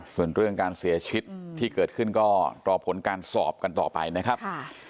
ส่วนเรื่องการเสียชีวิตที่เกิดขึ้นก็รอผลการสอบกันต่อไปนะครับ